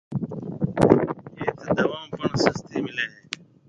ايٿ دوائون پڻ سستيَ مليَ ھيََََ